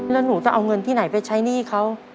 แล้วหนูจะเอาเงินที่ไหนไปใช้หนี้เขา